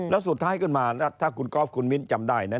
แล้วสุดท้ายขึ้นมาถ้าคุณกอล์ฟคุณมิ้นจำได้นะ